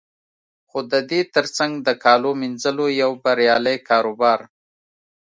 خو د دې تر څنګ د کالو مینځلو یو بریالی کاروبار